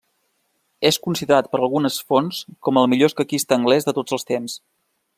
És considerat per algunes fonts com el millor escaquista anglès de tots els temps.